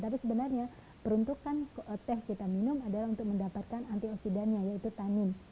tapi sebenarnya peruntukan teh kita minum adalah untuk mendapatkan antioksidannya yaitu tanin